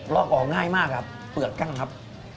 ล็อกออกง่ายมากครับเปลือกกั้นครับ